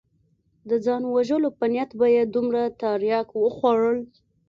د ځان وژلو په نيت به يې دومره ترياک وخوړل.